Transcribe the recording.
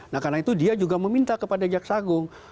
nah karena itu dia juga meminta kepada jaksagung